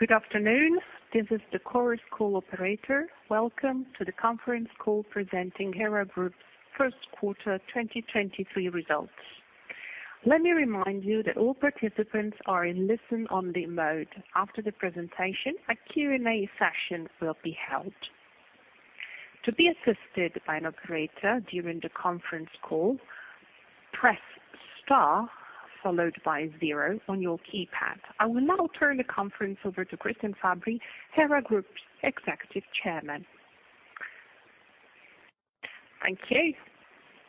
Good afternoon. This is the chorus call operator. Welcome to the conference call presenting Hera Group first quarter 2023 results. Let me remind you that all participants are in listen-only mode. After the presentation, a Q&A session will be held. To be assisted by an operator during the conference call, press star followed by zero on your keypad. I will now turn the conference over to Cristian Fabbri, Hera Group Executive Chairman. Thank you.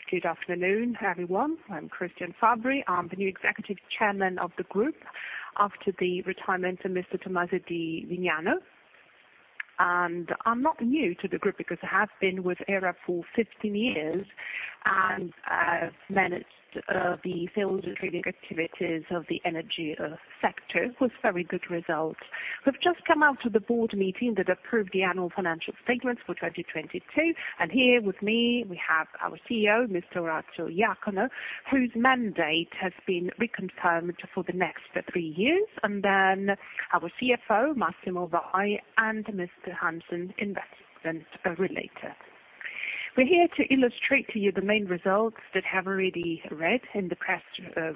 Good afternoon, everyone. I'm Cristian Fabbri. I'm the new executive chairman of the group after the retirement of Mr. Tommaso Tomasi di Vignano. I'm not new to the group because I have been with Hera for 15 years, and I've managed the sales and trading activities of the energy sector with very good results. We've just come out of the board meeting that approved the annual financial statements for 2022, and here with me we have our CEO, Mr. Orazio Iacono, whose mandate has been reconfirmed for the next three years, and then our CFO, Massimo Vai, and Mr. Hansen, investment relator. We're here to illustrate to you the main results that have already read in the press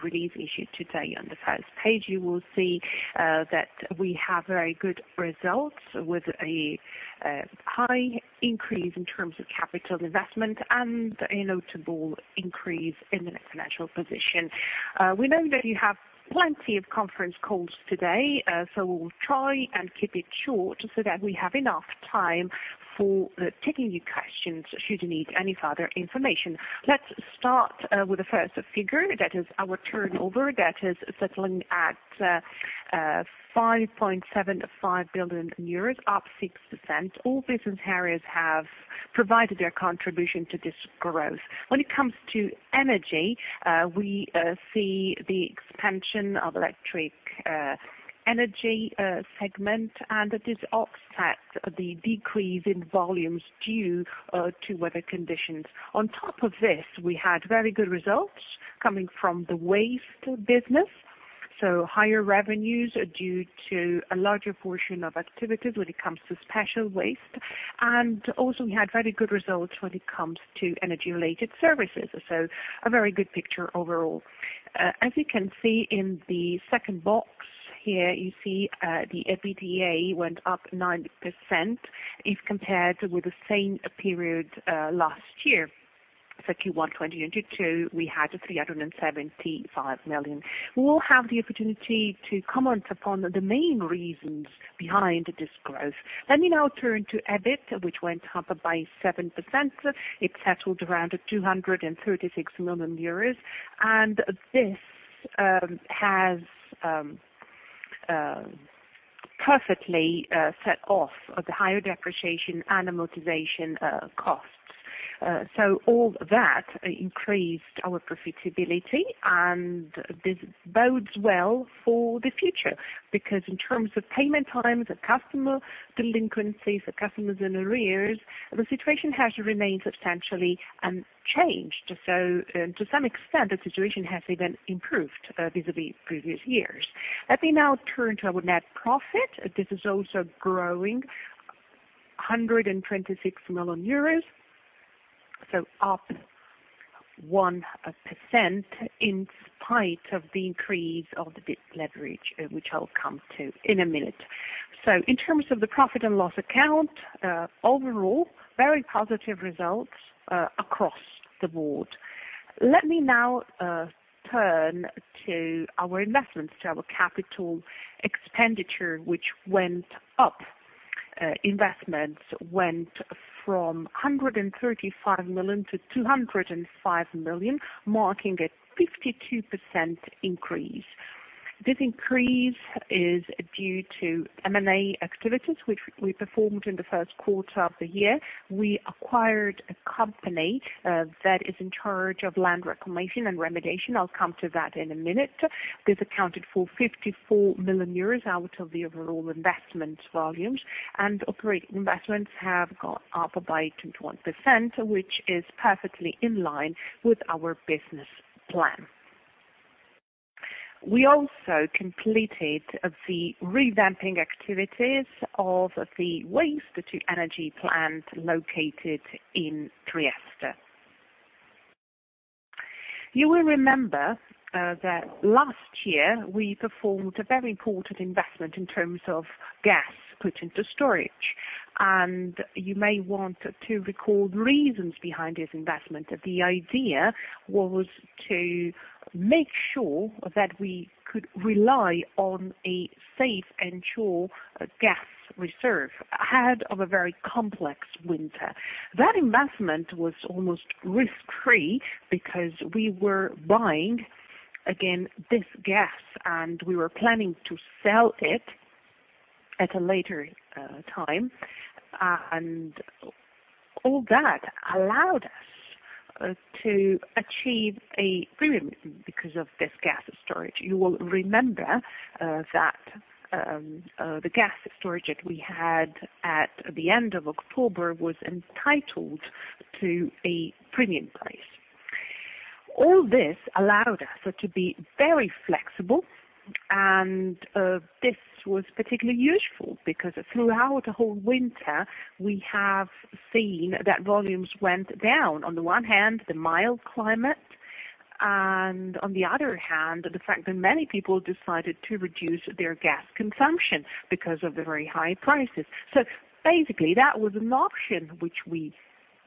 release issued today. On the first page, you will see that we have very good results with a high increase in terms of capital investment and a notable increase in the financial position. We know that you have plenty of conference calls today, we will try and keep it short so that we have enough time for taking your questions should you need any further information. Let's start with the first figure. That is our turnover that is settling at 5.75 billion euros, up 6%. All business areas have provided their contribution to this growth. When it comes to energy, we see the expansion of electric energy segment, it is offset the decrease in volumes due to weather conditions. On top of this, we had very good results coming from the waste business, so higher revenues are due to a larger portion of activities when it comes to special waste. Also, we had very good results when it comes to energy-related services, so a very good picture overall. As you can see in the second box here, you see, the EBITDA went up 9% if compared with the same period last year. Q1 2022, we had 375 million. We will have the opportunity to comment upon the main reasons behind this growth. Let me now turn to EBIT, which went up by 7%. It settled around 236 million euros, and this has perfectly set off the higher depreciation and amortization costs. All that increased our profitability, and this bodes well for the future because in terms of payment times and customer delinquencies, the customers in arrears, the situation has remained substantially unchanged. To some extent, the situation has even improved vis-a-vis previous years. Let me now turn to our net profit. This is also growing. 126 million euros, so up 1% in spite of the increase of the debt leverage, which I'll come to in a minute. In terms of the P&L account, overall, very positive results across the board. Let me now turn to our investments, to our capital expenditure, which went up. Investments went from 135 million to 205 million, marking a 52% increase. This increase is due to M&A activities which we performed in the first quarter of the year. We acquired a company that is in charge of land reclamation and remediation. I'll come to that in a minute. This accounted for 54 million euros out of the overall investment volumes, and operating investments have gone up by 21%, which is perfectly in line with our business plan. We also completed the revamping activities of the waste-to-energy plant located in Trieste. You will remember that last year we performed a very important investment in terms of gas put into storage, and you may want to recall the reasons behind this investment. The idea was to make sure that we could rely on a safe and sure gas reserve ahead of a very complex winter. That investment was almost risk-free because we were buying, again, this gas, and we were planning to sell it at a later time, and all that allowed us to achieve a premium because of this gas storage. You will remember that the gas storage that we had at the end of October was entitled to a premium price. All this allowed us to be very flexible. This was particularly useful because throughout the whole winter, we have seen that volumes went down. On the one hand, the mild climate, and on the other hand, the fact that many people decided to reduce their gas consumption because of the very high prices. Basically, that was an option which we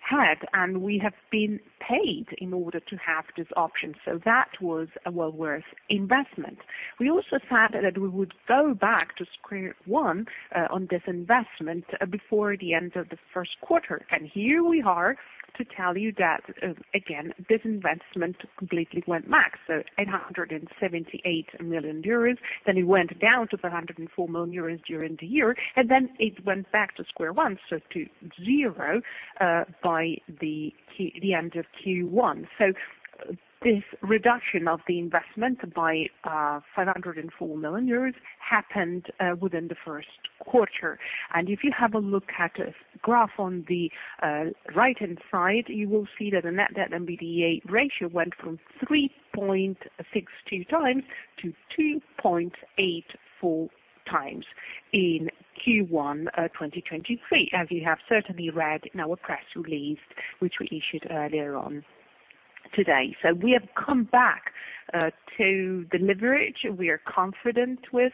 had, and we have been paid in order to have this option. That was a well worth investment. We also said that we would go back to square one on this investment before the end of the first quarter. Here we are to tell you that again, this investment completely went max. 878 million euros, then it went down to 504 million euros during the year, and then it went back to square one, so to zero, by the end of Q1. This reduction of the investment by 504 million euros happened within the first quarter. If you have a look at a graph on the right-hand side, you will see that the net debt and EBITDA ratio went from 3.62 times to 2.84 times in Q1 2023, as you have certainly read in our press release, which we issued earlier on today. We have come back to the leverage we are confident with,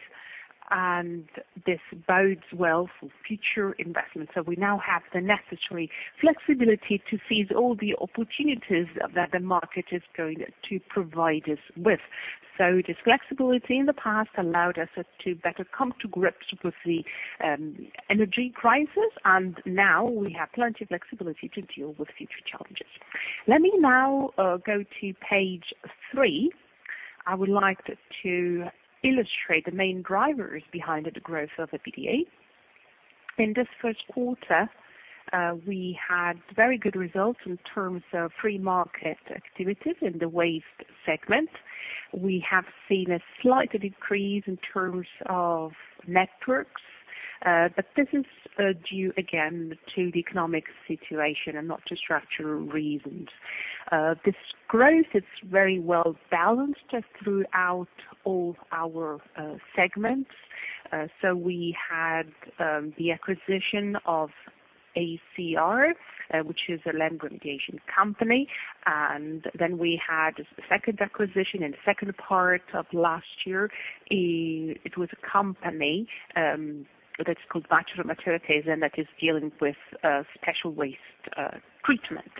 and this bodes well for future investments. We now have the necessary flexibility to seize all the opportunities that the market is going to provide us with. This flexibility in the past allowed us to better come to grips with the energy crisis, and now we have plenty of flexibility to deal with future challenges. Let me now go to page three. I would like to illustrate the main drivers behind the growth of EBITDA. In this first quarter, we had very good results in terms of free market activities in the waste segment. We have seen a slight decrease in terms of networks, but this is due again to the economic situation and not to structural reasons. This growth is very well balanced throughout all of our segments. We had the acquisition of ACR, which is a land remediation company. We had a second acquisition in the second part of last year. It was a company that's called Bachelor Materials, and that is dealing with special waste treatment.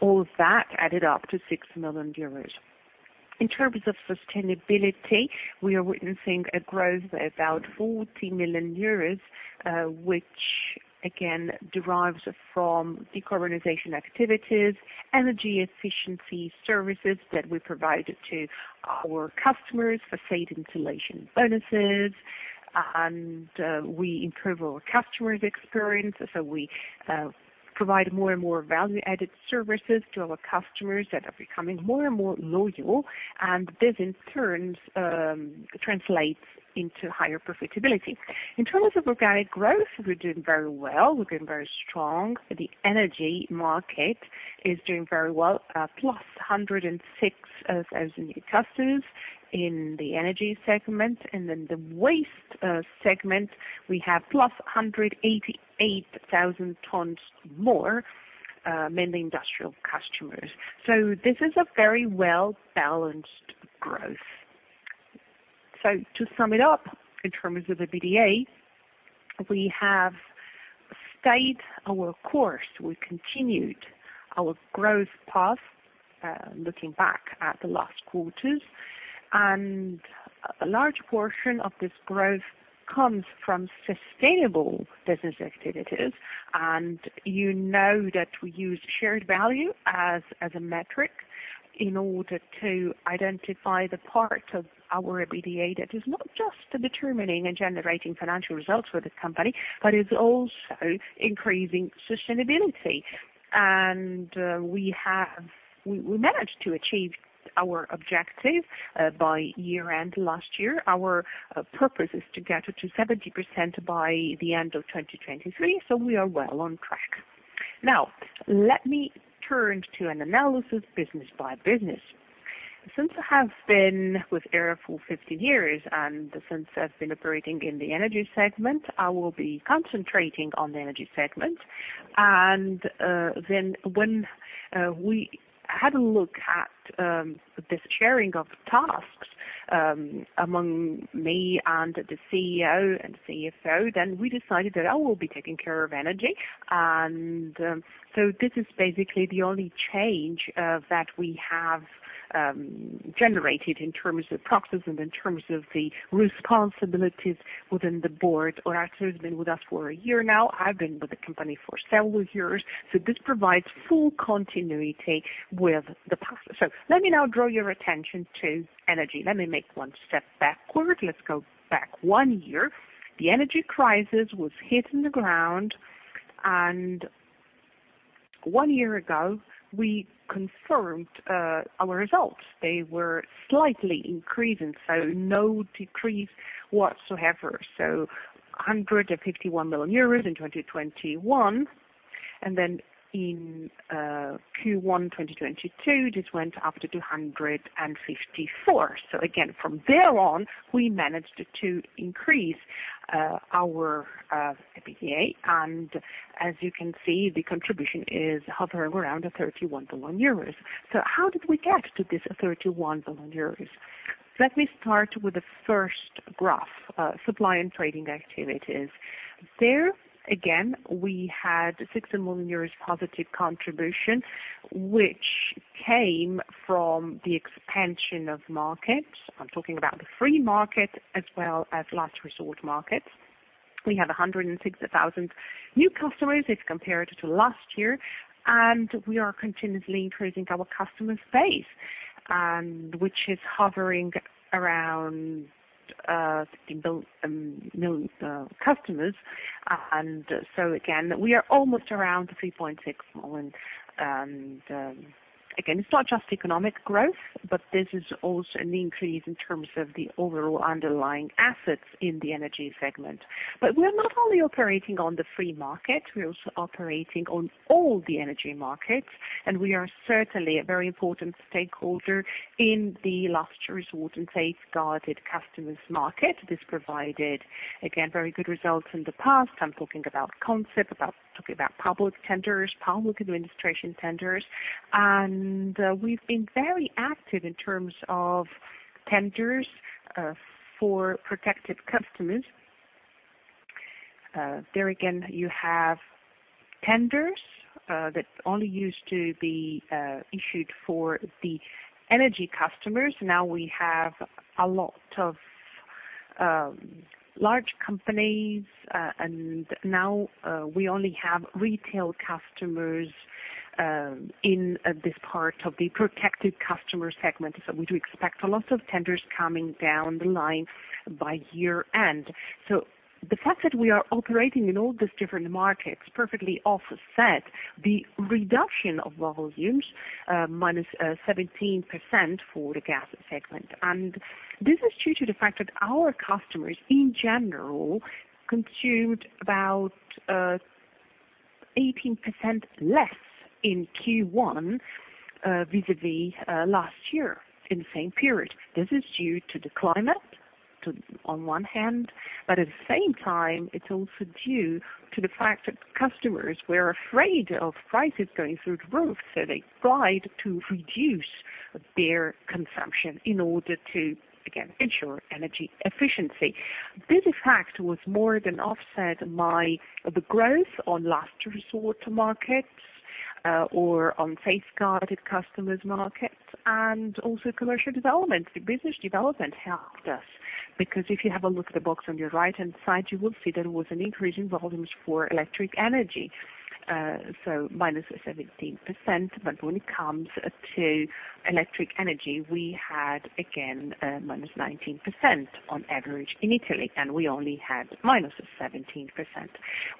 All of that added up to six million euros. In terms of sustainability, we are witnessing a growth by about 40 million euros, which again derives from decarbonization activities, energy efficiency services that we provide to our customers for safe insulation bonuses. We improve our customers' experience, so we provide more and more value-added services to our customers that are becoming more and more loyal, and this in turn translates into higher profitability. In terms of organic growth, we're doing very well. We're doing very strong. The energy market is doing very well, +106,000 new customers in the energy segment. The waste segment, we have +188,000 tons more, mainly industrial customers. This is a very well-balanced growth. To sum it up in terms of EBITDA, we have stayed our course. We continued our growth path, looking back at the last quarters, and a large portion of this growth comes from sustainable business activities, and you know that we use shared value as a metric in order to identify the parts of our EBITDA that is not just determining and generating financial results for this company, but is also increasing sustainability. We managed to achieve our objective by year-end last year. Our purpose is to get it to 70% by the end of 2023. Now, let me turn to an analysis business by business. Since I have been with Hera for 15 years and since I've been operating in the energy segment, I will be concentrating on the energy segment. Then when we had a look at this sharing of tasks among me and the CEO and CFO, then we decided that I will be taking care of energy. So this is basically the only change that we have generated in terms of processes and in terms of the responsibilities within the board. Orazio has been with us for a year now. I've been with the company for several years, so this provides full continuity with the past. Let me now draw your attention to energy. Let me make one step backward. Let's go back one year. The energy crisis was hitting the ground, and one year ago, we confirmed our results. They were slightly increasing, so no decrease whatsoever. 151 million euros in 2021, in Q1 2022, this went up to 254 million. Again, from there on, we managed to increase our EBITDA. As you can see, the contribution is hovering around 31 billion euros. How did we get to this 31 billion euros? Let me start with the first graph, supply and trading activities. There, again, we had six million euros positive contribution, which came from the expansion of markets. I'm talking about the free market as well as last resort markets. We have 160,000 new customers if compared to last year, and we are continuously increasing our customer space, and which is hovering around 50 customers. Again, we are almost around 3.6 million. Again, it's not just economic growth, but this is also an increase in terms of the overall underlying assets in the energy segment. We're not only operating on the free market, we're also operating on all the energy markets, and we are certainly a very important stakeholder in the last resort and safeguarded customers market. This provided again very good results in the past. I'm talking about concept, talking about public tenders, public administration tenders. We've been very active in terms of tenders for protected customers. There again, you have tenders that only used to be issued for the energy customers. Now we have a lot of large companies, and now we only have retail customers in this part of the protected customer segment. We do expect a lot of tenders coming down the line by year end. The fact that we are operating in all these different markets perfectly offset the reduction of volumes, minus 17% for the gas segment. This is due to the fact that our customers, in general, consumed about 18% less in Q1 vis-a-vis last year in the same period. This is due to the climate on one hand, but at the same time, it's also due to the fact that customers were afraid of prices going through the roof, they tried to reduce their consumption in order to, again, ensure energy efficiency. This effect was more than offset by the growth on last resort markets, or on safeguarded customers markets, and also commercial development. The business development helped us because if you have a look at the box on your right-hand side, you will see there was an increase in volumes for electric energy. So minus 17%. When it comes to electric energy, we had again, minus 19% on average in Italy, and we only had minus 17%.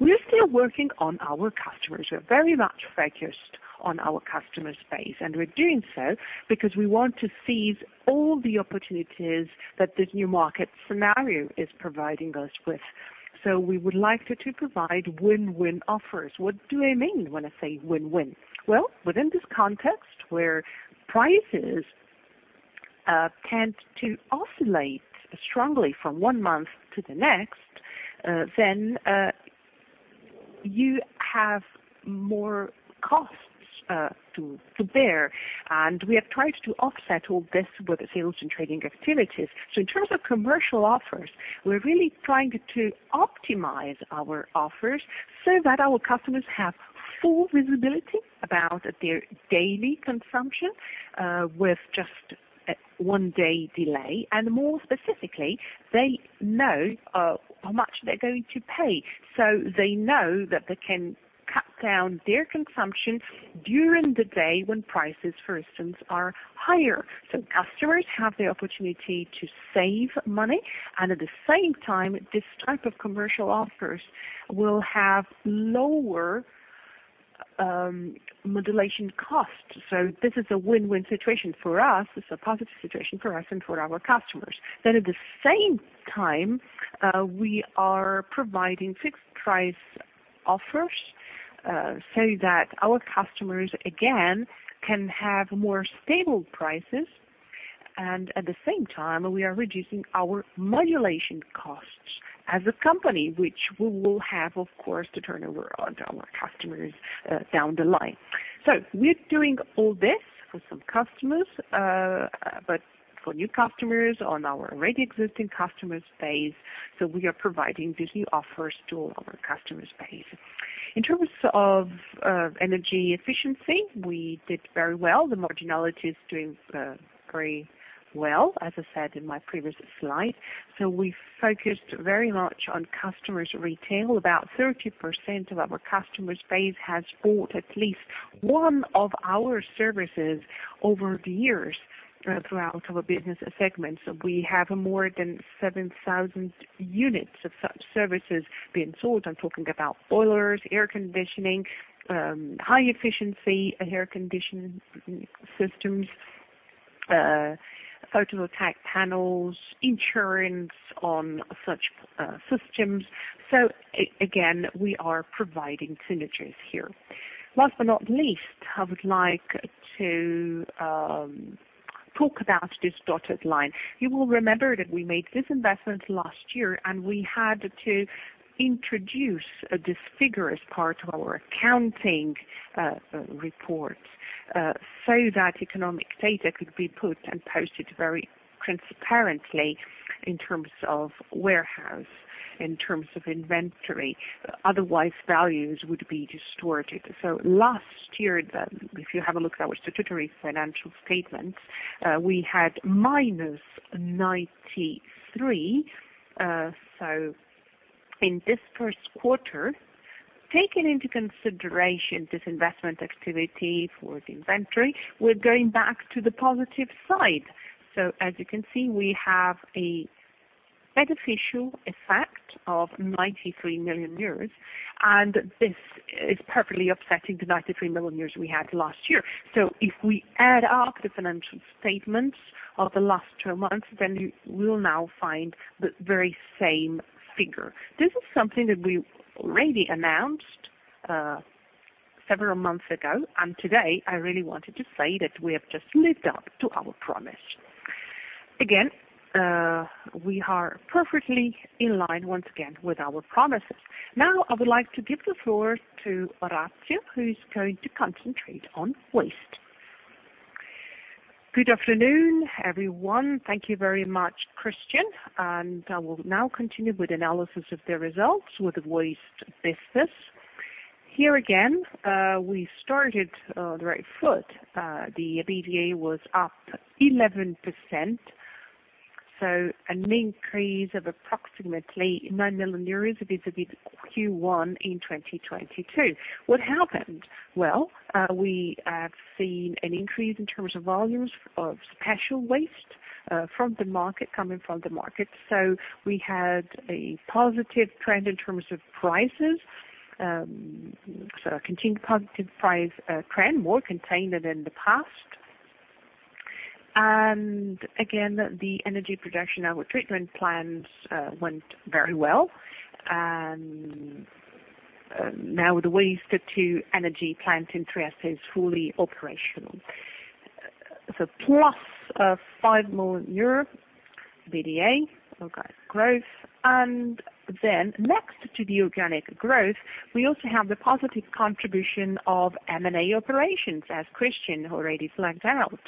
We are still working on our customers. We're very much focused on our customer space, and we're doing so because we want to seize all the opportunities that the new market scenario is providing us with. We would like to provide win-win offers. What do I mean when I say win-win? Well, within this context, where prices tend to oscillate strongly from 1 month to the next, then, you have more costs to bear. We have tried to offset all this with sales and trading activities. In terms of commercial offers, we're really trying to optimize our offers so that our customers have full visibility about their daily consumption, with just a one-day delay. More specifically, they know how much they're going to pay, so they know that they can cut down their consumption during the day when prices, for instance, are higher. Customers have the opportunity to save money, and at the same time, this type of commercial offers will have lower modulation costs. This is a win-win situation for us. It's a positive situation for us and for our customers. At the same time, we are providing fixed price offers, so that our customers again can have more stable prices, and at the same time, we are reducing our modulation costs as a company, which we will have, of course, to turn over onto our customers down the line. We're doing all this for some customers, but for new customers on our already existing customer space. We are providing these new offers to our customer space. In terms of energy efficiency, we did very well. The marginality is doing very well, as I said in my previous slide. We focused very much on customers retail. About 30% of our customers base has bought at least one of our services over the years throughout our business segments. We have more than 7,000 units of such services being sold. I'm talking about boilers, air conditioning, high efficiency air conditioning systems. Photovoltaic panels, insurance on such systems. Again, we are providing synergies here. Last but not least, I would like to talk about this dotted line. You will remember that we made this investment last year, and we had to introduce this figure as part of our accounting report, so that economic data could be put and posted very transparently in terms of warehouse, in terms of inventory. Otherwise, values would be distorted. Last year, if you have a look at our statutory financial statements, we had minus 93. In this first quarter, taking into consideration this investment activity for the inventory, we're going back to the positive side. As you can see, we have a beneficial effect of 93 million euros, and this is perfectly offsetting the 93 million euros we had last year. If we add up the financial statements of the last two months, we'll now find the very same figure. This is something that we already announced several months ago, and today, I really wanted to say that we have just lived up to our promise. Again, we are perfectly in line once again with our promises. I would like to give the floor to Orazio, who's going to concentrate on waste. Good afternoon, everyone. Thank you very much, Christian, and I will now continue with analysis of the results with the waste business. Here again, we started on the right foot. The EBITDA was up 11%, so an increase of approximately nine million euros vis-a-vis Q1 in 2022. What happened? We have seen an increase in terms of volumes of special waste coming from the market. We had a positive trend in terms of prices. A continued positive price trend, more contained than in the past. Again, the energy production and treatment plants went very well. Now the waste-to-energy plant in Trieste is fully operational. Plus EUR five million EBITDA, organic growth. Next to the organic growth, we also have the positive contribution of M&A operations, as Christian Fabbri already flagged out.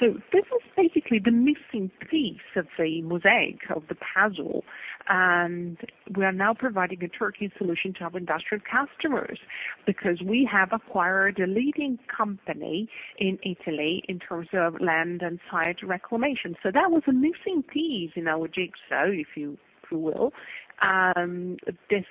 This is basically the missing piece of the mosaic, of the puzzle, and we are now providing a turnkey solution to our industrial customers because we have acquired a leading company in Italy in terms of land and site reclamation. That was a missing piece in our jigsaw, if you will. This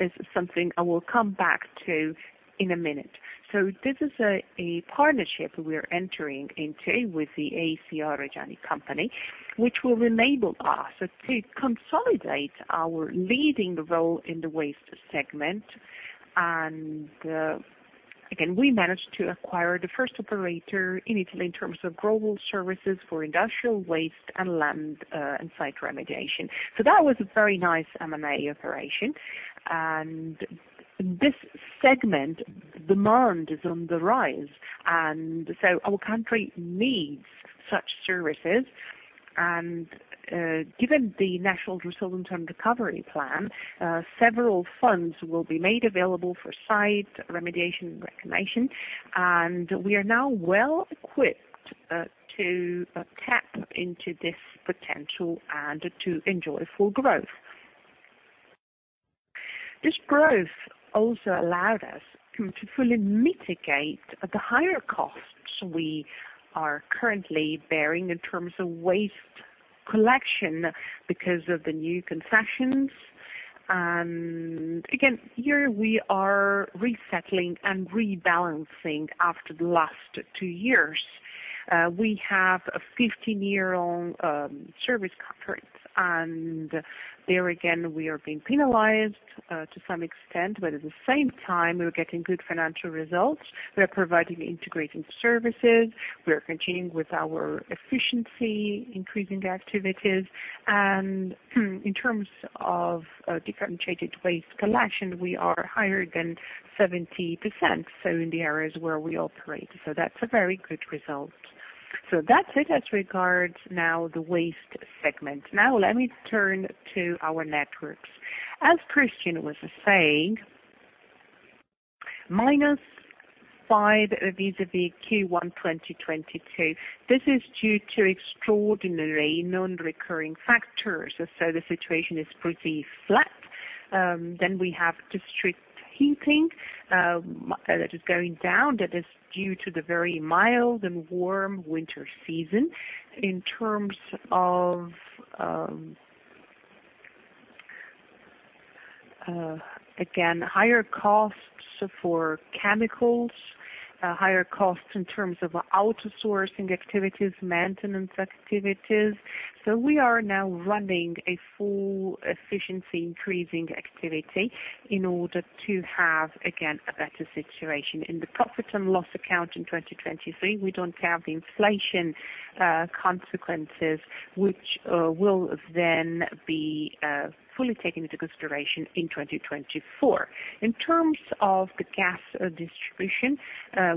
is something I will come back to in a minute. This is a partnership we are entering into with the ACR Reggiani company, which will enable us to consolidate our leading role in the waste segment. Again, we managed to acquire the first operator in Italy in terms of global services for industrial waste and land and site remediation. That was a very nice M&A operation. In this segment, demand is on the rise, and so our country needs such services. Given the National Recovery and Resilience Plan, several funds will be made available for site remediation and reclamation, and we are now well equipped to tap into this potential and to enjoy full growth. This growth also allowed us to fully mitigate the higher costs we are currently bearing in terms of waste collection because of the new concessions. Again, here we are resettling and rebalancing after the last two years. We have a 15-year-long service contract, and there again, we are being penalized to some extent, but at the same time, we are getting good financial results. We are providing integrating services. We are continuing with our efficiency-increasing activities. In terms of differentiated waste collection, we are higher than 70%, so in the areas where we operate. That's a very good result. That's it as regards now the waste segment. Let me turn to our networks. As Cristian was saying, minus five vis-a-vis Q1 2022. This is due to extraordinary non-recurring factors, the situation is pretty flat. We have district heating that is going down. That is due to the very mild and warm winter season. In terms of, again, higher costs for chemicals, higher costs in terms of outsourcing activities, maintenance activities. We are now running a full efficiency increasing activity in order to have, again, a better situation. In the profit and loss account in 2023, we don't have the inflation consequences which will then be fully taken into consideration in 2024. In terms of the gas distribution,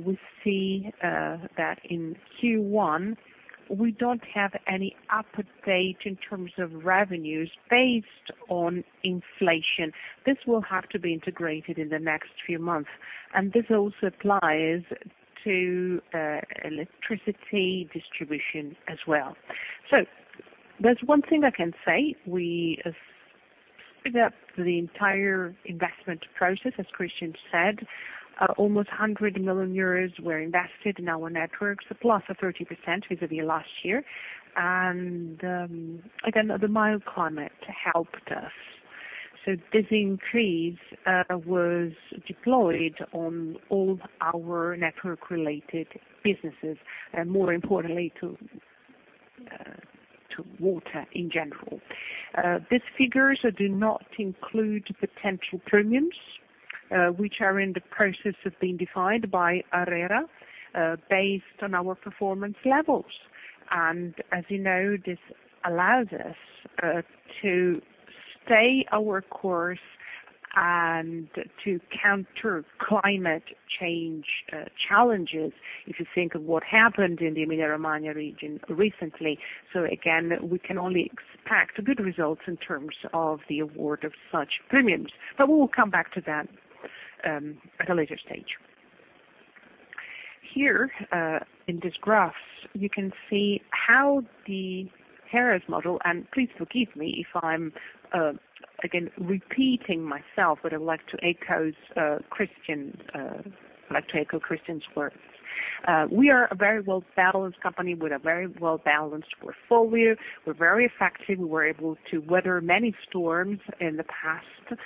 we see that in Q1 we don't have any update in terms of revenues based on inflation. This will have to be integrated in the next few months, this also applies to electricity distribution as well. There's one thing I can say, we have sped up the entire investment process, as Cristian said. Almost 100 million euros were invested in our networks, a plus of 30% vis-a-vis last year. Again, the mild climate helped us. This increase was deployed on all our network related businesses and more importantly, to water in general. These figures do not include potential premiums, which are in the process of being defined by ARERA, based on our performance levels. As you know, this allows us to stay our course and to counter climate change challenges. If you think of what happened in the Emilia-Romagna region recently. Again, we can only expect good results in terms of the award of such premiums, but we will come back to that at a later stage. Here, in this graph, you can see how the Hera's model, and please forgive me if I'm again repeating myself, but I'd like to echo Cristian's words. We are a very well-balanced company with a very well-balanced portfolio. We're very effective. We were able to weather many storms in the past.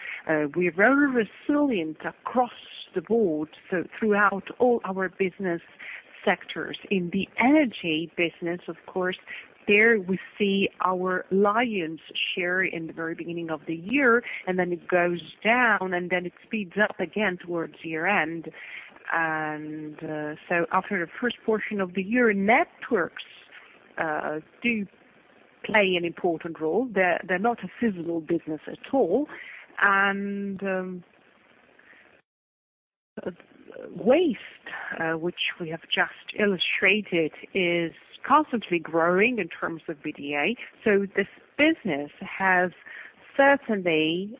We are very resilient across the board, so throughout all our business sectors. In the energy business, of course, there we see our lion's share in the very beginning of the year, and then it goes down, and then it speeds up again towards year-end. After the first portion of the year, networks do play an important role. They're not a physical business at all. Waste, which we have just illustrated, is constantly growing in terms of EBITDA. This business has certainly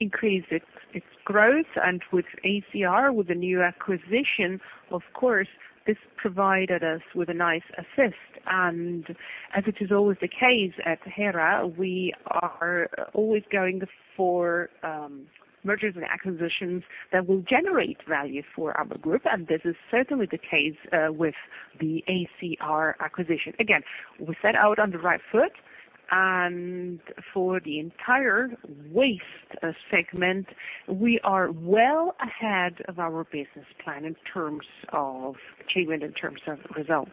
increased its growth. With ACR, with the new acquisition, of course, this provided us with a nice assist. As it is always the case at Hera, we are always going for mergers and acquisitions that will generate value for our group, and this is certainly the case with the ACR acquisition. We set out on the right foot, for the entire waste segment, we are well ahead of our business plan in terms of achievement, in terms of results.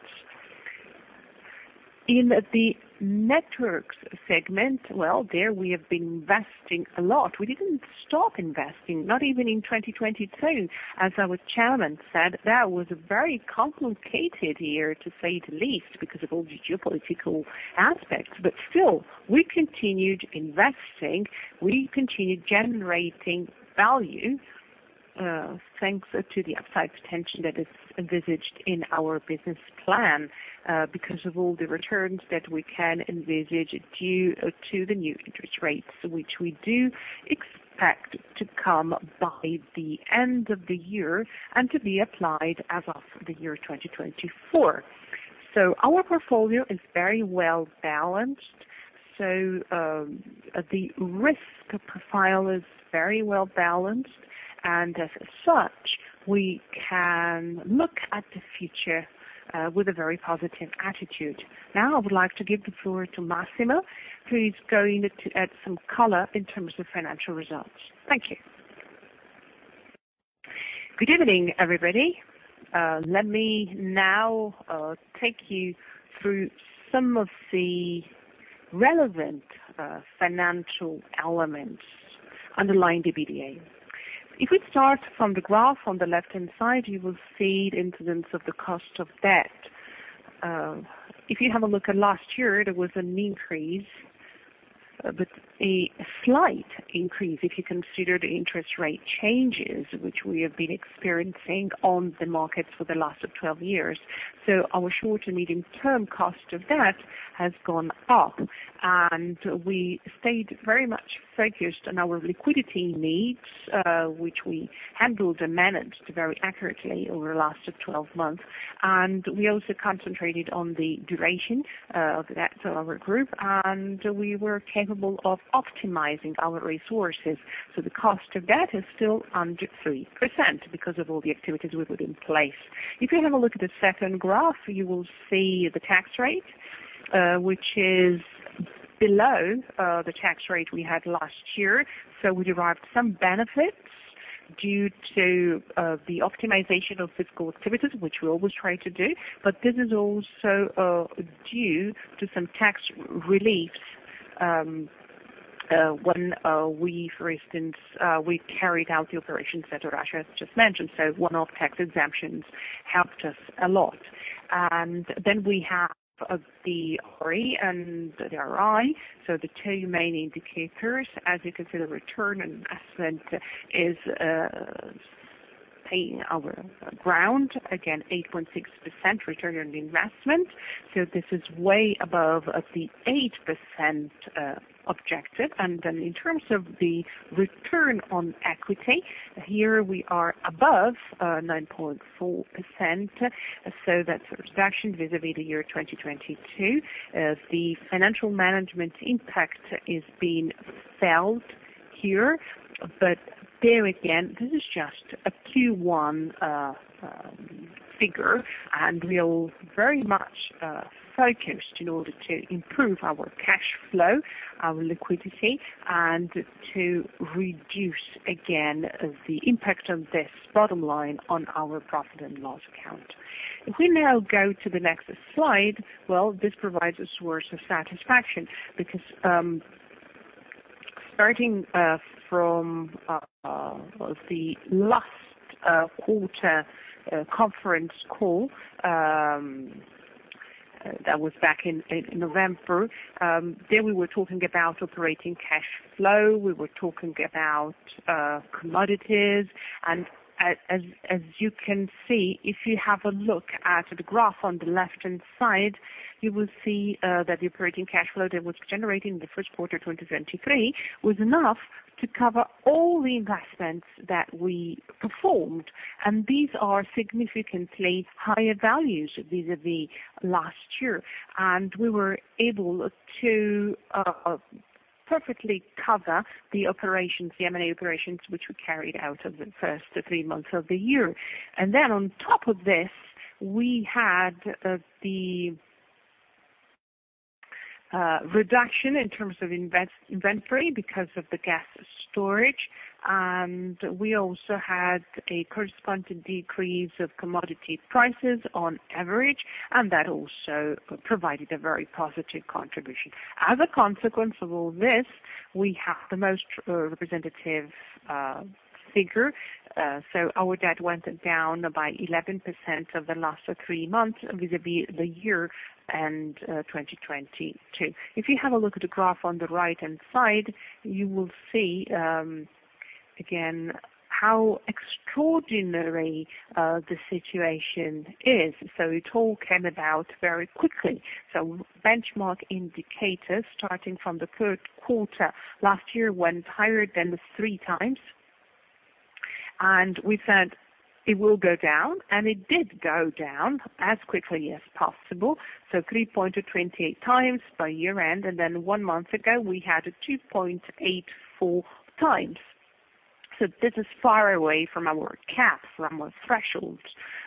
In the networks segment, well, there we have been investing a lot. We didn't stop investing, not even in 2022. As our chairman said, that was a very complicated year, to say the least, because of all the geopolitical aspects. Still, we continued investing, we continued generating value, thanks to the upside potential that is envisaged in our business plan, because of all the returns that we can envisage due to the new interest rates, which we do expect to come by the end of the year and to be applied as of the year 2024. Our portfolio is very well balanced, so the risk profile is very well balanced, and as such, we can look at the future with a very positive attitude. Now I would like to give the floor to Massimo, who is going to add some color in terms of financial results. Thank you. Good evening, everybody. Let me now take you through some of the relevant financial elements underlying the EBITDA. If we start from the graph on the left-hand side, you will see the incidence of the cost of debt. If you have a look at last year, there was an increase, but a slight increase if you consider the interest rate changes which we have been experiencing on the markets for the last 12 years. Our short and medium-term cost of debt has gone up. We stayed very much focused on our liquidity needs, which we handled and managed very accurately over the last 12 months. We also concentrated on the duration of the debt of our group, and we were capable of optimizing our resources. The cost of debt is still under 3% because of all the activities we put in place. If you have a look at the second graph, you will see the tax rate, which is below the tax rate we had last year. We derived some benefits due to the optimization of physical activities, which we always try to do, but this is also due to some tax reliefs when we, for instance, we carried out the operations that Orazio has just mentioned. One-off tax exemptions helped us a lot. We have the RE and the RI. The two main indicators, as you can see, the return on investment is paying our ground, again, 8.6% return on the investment. This is way above of the 8% objective. In terms of the return on equity, here we are above 9.4%. That's a reduction vis-à-vis the year 2022. The financial management impact is being felt here, there again, this is just a Q1 figure. We'll very much focused in order to improve our cash flow, our liquidity, and to reduce again the impact of this bottom line on our profit and loss account. If we now go to the next slide, well, this provides a source of satisfaction because starting from what was the last quarter conference call that was back in November. We were talking about operating cash flow. We were talking about commodities and as you can see, if you have a look at the graph on the left-hand side, you will see that the operating cash flow that was generated in the first quarter 2023 was enough to cover all the investments that we performed. These are significantly higher values vis-à-vis last year. We were able to perfectly cover the operations, the M&A operations, which we carried out in the first three months of the year. On top of this, we had the reduction in terms of inventory because of the gas storage. We also had a corresponding decrease of commodity prices on average, and that also provided a very positive contribution. As a consequence of all this, we have the most representative figure. Our debt went down by 11% of the last three months vis-à-vis the year 2022. If you have a look at the graph on the right-hand side, you will see again how extraordinary the situation is. It all came about very quickly. Benchmark indicators starting from the third quarter last year went higher than the three times. We said it will go down, and it did go down as quickly as possible. 3.28 times by year end, and then 1 month ago, we had a 2.84 times. This is far away from our cap, from our threshold.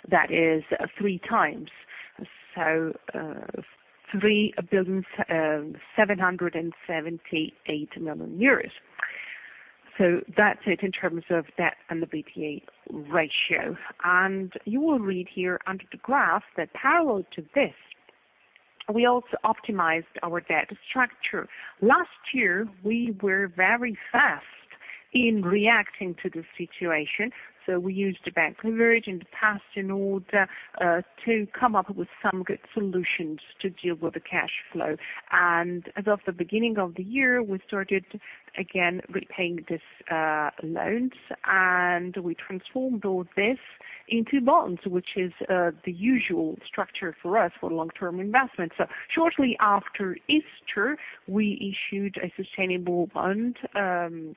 That is three times. 3,778 million euros. That's it in terms of debt and the BPA ratio. You will read here under the graph that parallel to this, we also optimized our debt structure. Last year, we were very fast in reacting to the situation. We used the bank leverage in the past in order to come up with some good solutions to deal with the cash flow. As of the beginning of the year, we started again repaying these loans, and we transformed all this into bonds, which is the usual structure for us for long-term investments. Shortly after Easter, we issued a sustainable bond, 600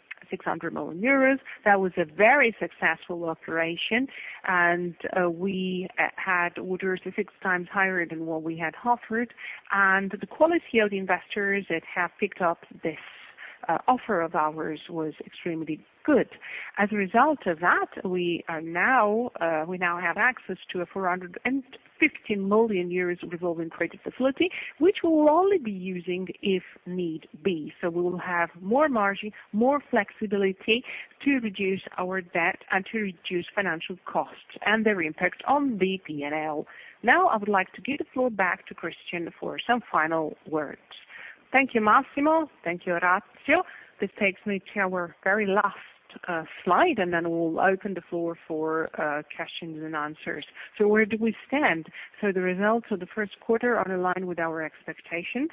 million euros. That was a very successful operation. We had orders six times higher than what we had offered. The quality of the investors that have picked up this offer of ours was extremely good. As a result of that, we are now... we now have access to a 450 million revolving credit facility, which we'll only be using if need be. We will have more margin, more flexibility to reduce our debt and to reduce financial costs and their impact on the P&L. I would like to give the floor back to Cristian for some final words. Thank you, Massimo. Thank you, Orazio. This takes me to our very last slide, then we'll open the floor for questions and answers. Where do we stand? The results of the first quarter are in line with our expectations,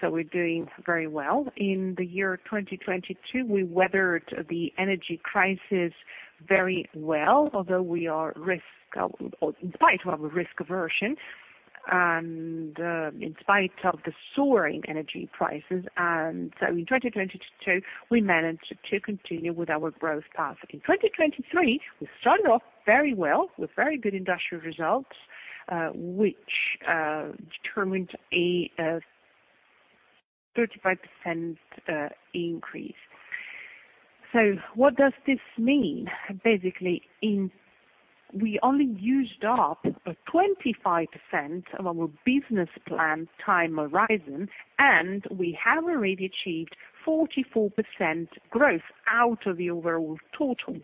we're doing very well. In the year 2022, we weathered the energy crisis very well, although we are risk, or in spite of our risk aversion and in spite of the soaring energy prices. In 2022, we managed to continue with our growth path. 2023, we started off very well with very good industrial results, which determined a 35% increase. What does this mean? Basically, we only used up a 25% of our business plan time horizon, and we have already achieved 44% growth out of the overall total.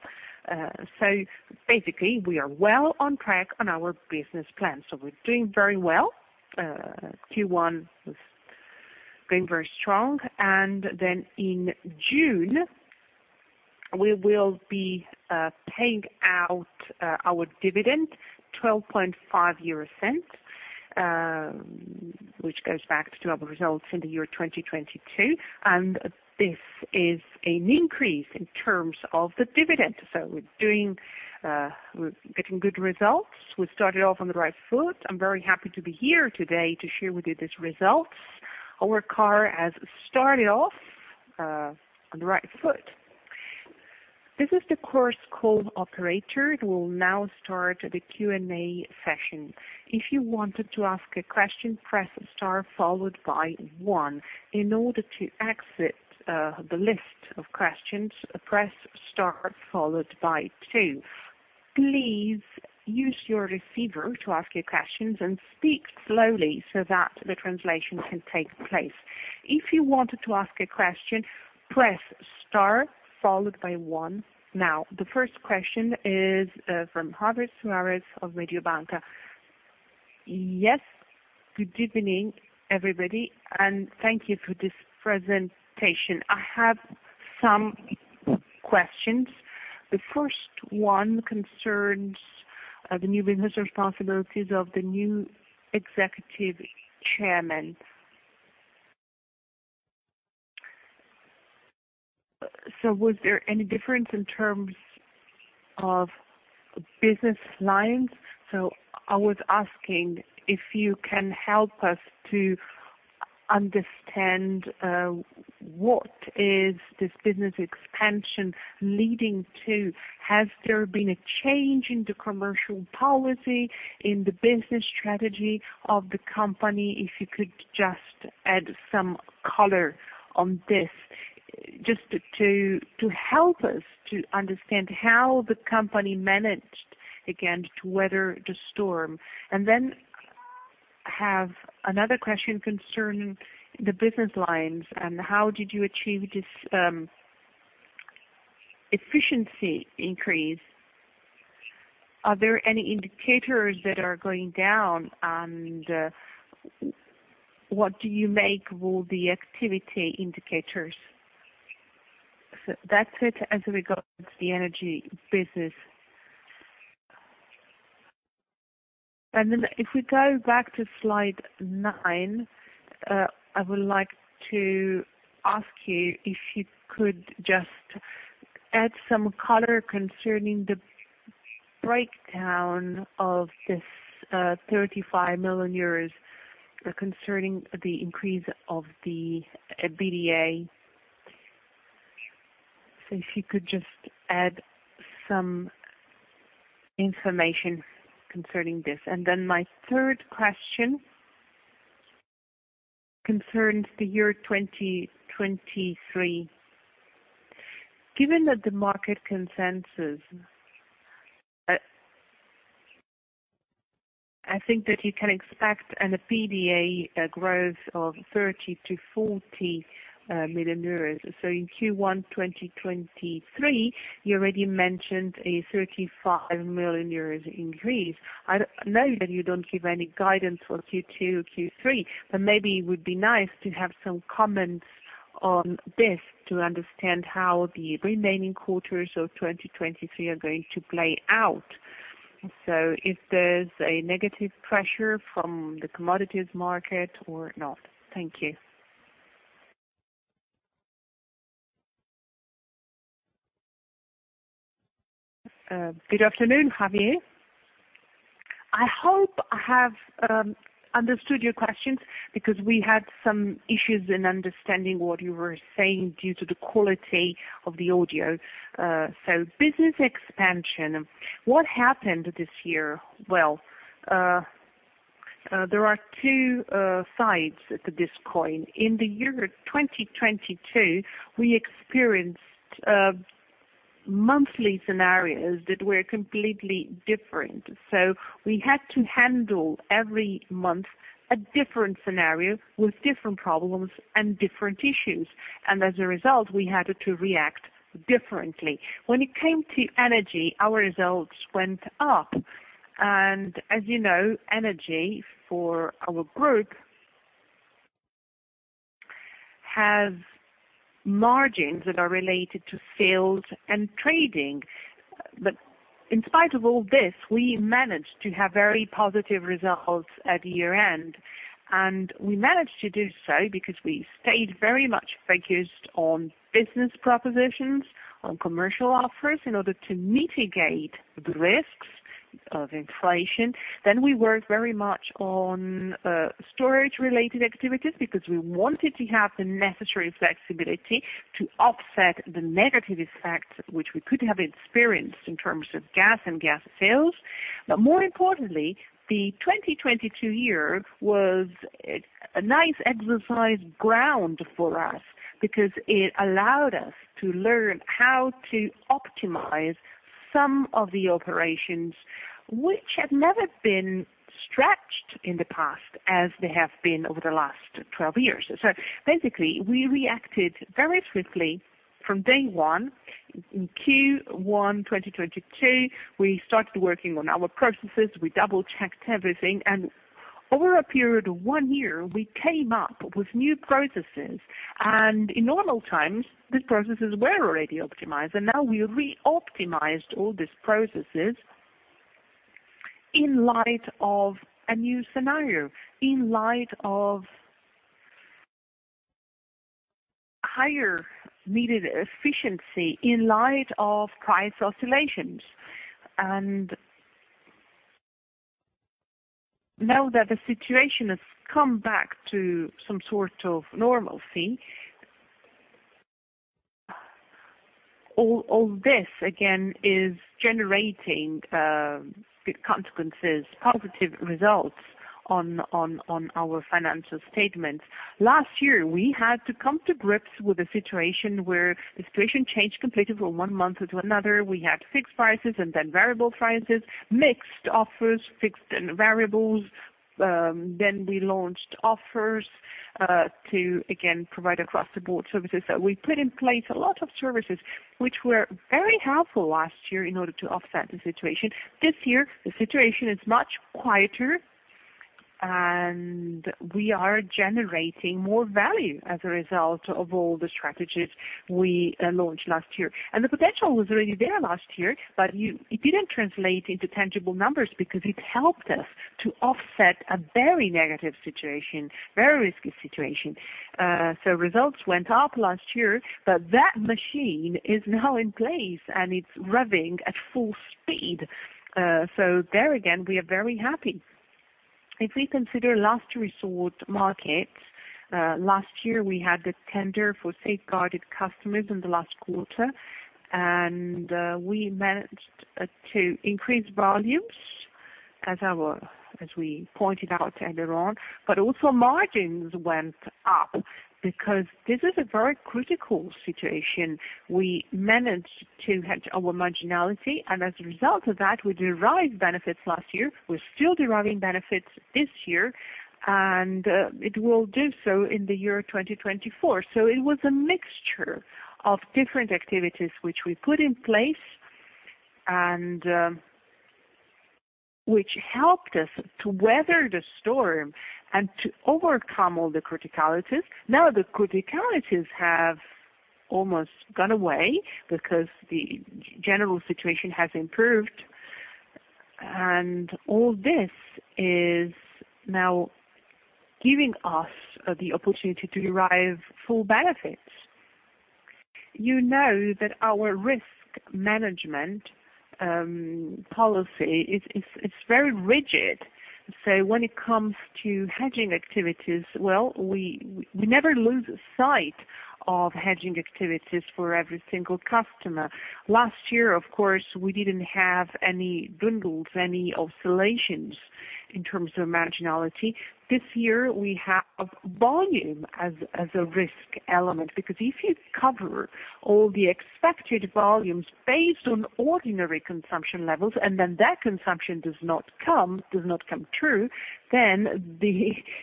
Basically, we are well on track on our business plan. We're doing very well. Q1 has been very strong. In June, we will be paying out our dividend 0.125, which goes back to our results in the year 2022. This is an increase in terms of the dividend. We're getting good results. We started off on the right foot. I'm very happy to be here today to share with you these results. Our car has started off on the right foot. This is the course call operator, who will now start the Q&A session. If you wanted to ask a question, press star followed by one. In order to exit the list of questions, press star followed by two. Please use your receiver to ask your questions and speak slowly so that the translation can take place. If you wanted to ask a question, press star followed by one. The first question is from Javier Suarez of Mediobanca. Yes. Good evening, everybody, thank you for this presentation. I have some questions. The first one concerns the new business responsibilities of the new executive chairman. Was there any difference in terms of business lines? I was asking if you can help us to understand what is this business expansion leading to. Has there been a change in the commercial policy, in the business strategy of the company? If you could just add some color on this, just to help us to understand how the company managed, again, to weather the storm. Have another question concerning the business lines and how did you achieve this efficiency increase. Are there any indicators that are going down? What do you make with the activity indicators? That's it as regards to the energy business. If we go back to slide nine, I would like to ask you if you could just add some color concerning the breakdown of this 35 million euros concerning the increase of the EBITDA. If you could just add some information concerning this. My third question concerns the year 2023. Given that the market consensus, I think that you can expect an EBITDA growth of 30 million-40 million euros. In Q1 2023, you already mentioned a 35 million euros increase. I know that you don't give any guidance for Q2, Q3, but maybe it would be nice to have some comments on this to understand how the remaining quarters of 2023 are going to play out. Is there's a negative pressure from the commodities market or not? Thank you. Good afternoon, Javier. I hope I have understood your questions because we had some issues in understanding what you were saying due to the quality of the audio. Business expansion. What happened this year? There are two sides to this coin. In the year 2022, we experienced monthly scenarios that were completely different. We had to handle every month a different scenario with different problems and different issues. As a result, we had to react differently. When it came to energy, our results went up. As you know, energy for our group has margins that are related to sales and trading. In spite of all this, we managed to have very positive results at year-end. We managed to do so because we stayed very much focused on business propositions, on commercial offers, in order to mitigate the risks of inflation. We worked very much on storage-related activities because we wanted to have the necessary flexibility to offset the negative effects which we could have experienced in terms of gas and gas sales. More importantly, the 2022 year was a nice exercise ground for us because it allowed us to learn how to optimize some of the operations which had never been stretched in the past as they have been over the last 12 years. Basically, we reacted very quickly from day one. In Q1 2022, we started working on our processes. We double-checked everything, and over a period of 1 year, we came up with new processes. In normal times, these processes were already optimized, and now we reoptimized all these processes in light of a new scenario, in light of higher needed efficiency, in light of price oscillations. Now that the situation has come back to some sort of normalcy, all this, again, is generating good consequences, positive results on our financial statements. Last year, we had to come to grips with a situation where the situation changed completely from one month to another. We had fixed prices and then variable prices, mixed offers, fixed and variables. We launched offers to again, provide across-the-board services. We put in place a lot of services which were very helpful last year in order to offset the situation. This year, the situation is much quieter and we are generating more value as a result of all the strategies we launched last year. The potential was already there last year, but it didn't translate into tangible numbers because it helped us to offset a very negative situation, very risky situation. Results went up last year, but that machine is now in place and it's revving at full speed. There again, we are very happy. If we consider last resort markets, last year we had the tender for safeguarded customers in the last quarter, and we managed to increase volumes as we pointed out earlier on. Also margins went up because this is a very critical situation. We managed to hedge our marginality, and as a result of that, we derived benefits last year. We're still deriving benefits this year, and it will do so in the year 2024. It was a mixture of different activities which we put in place and which helped us to weather the storm and to overcome all the criticalities. The criticalities have almost gone away because the general situation has improved, and all this is now giving us the opportunity to derive full benefits. You know that our risk management policy is very rigid. When it comes to hedging activities, well, we never lose sight of hedging activities for every single customer. Last year, of course, we didn't have any bundles, any oscillations in terms of marginality. This year we have volume as a risk element because if you cover all the expected volumes based on ordinary consumption levels, and then that consumption does not come true, then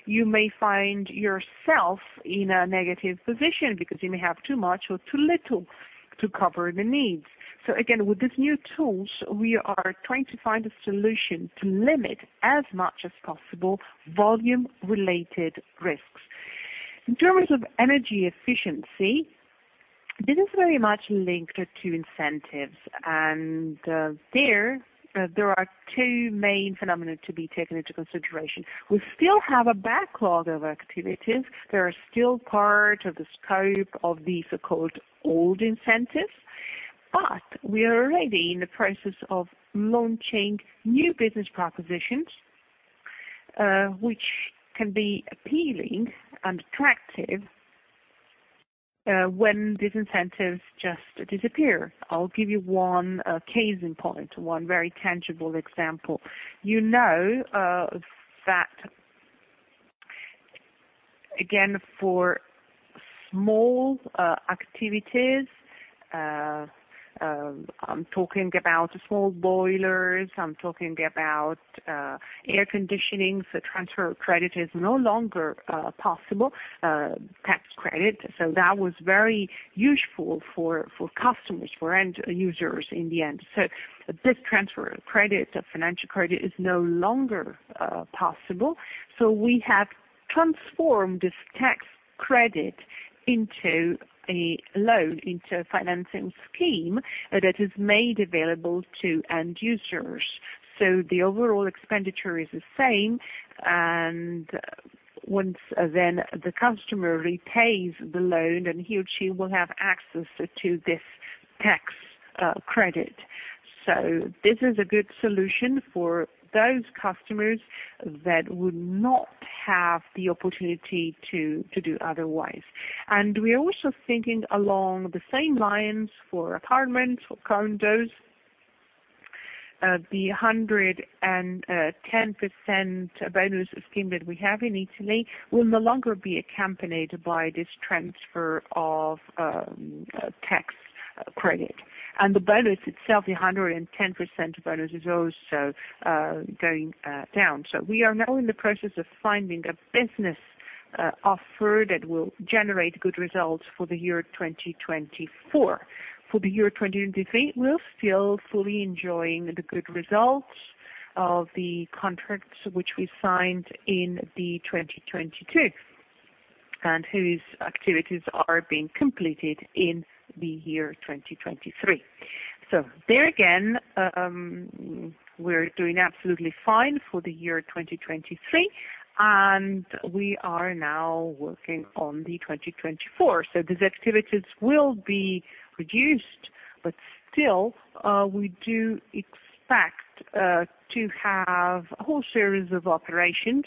you may find yourself in a negative position because you may have too much or too little to cover the needs. Again, with these new tools, we are trying to find a solution to limit as much as possible volume-related risks. In terms of energy efficiency, this is very much linked to incentives. There are two main phenomena to be taken into consideration. We still have a backlog of activities. There are still part of the scope of the so-called old incentives, but we are already in the process of launching new business propositions, which can be appealing and attractive, when these incentives just disappear. I'll give you one case in point, one very tangible example. You know, that, again, for small activities, I'm talking about small boilers, I'm talking about air conditioning. Transfer of credit is no longer possible, tax credit. That was very useful for customers, for end users in the end. This transfer of credit, of financial credit is no longer possible. We have transformed this tax credit into a loan, into a financing scheme that is made available to end users. The overall expenditure is the same, and once then the customer repays the loan and he or she will have access to this tax credit. This is a good solution for those customers that would not have the opportunity to do otherwise. We are also thinking along the same lines for apartments or condos. The 110% bonus scheme that we have in Italy will no longer be accompanied by this transfer of tax credit. The bonus itself, the 110% bonus is also going down. We are now in the process of finding a business offer that will generate good results for the year 2024. For the year 2023, we're still fully enjoying the good results of the contracts which we signed in 2022, and whose activities are being completed in the year 2023. There again, we're doing absolutely fine for the year 2023, and we are now working on 2024. These activities will be reduced, but still, we do expect to have a whole series of operations